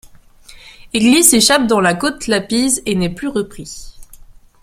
Egli s'échappe dans la côte Lapize et n'est plus repris.